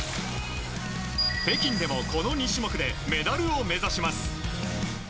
北京でも、この２種目でメダルを目指します。